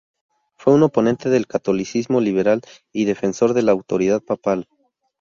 Fue un oponente del catolicismo liberal y defensor de la autoridad papal.